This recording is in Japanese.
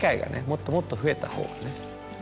もっともっと増えたほうがね。